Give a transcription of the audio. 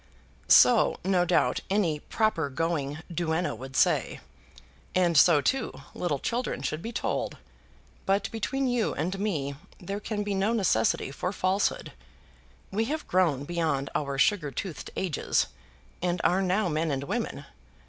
"So, no doubt, any proper going duenna would say, and so, too, little children should be told; but between you and me there can be no necessity for falsehood. We have grown beyond our sugar toothed ages, and are now men and women.